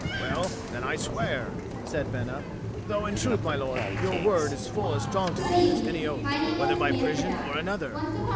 "Well, then, I swear," said Bena, "though in truth, my lord, your word is full as strong to me as any oath, whether by Prisian or another."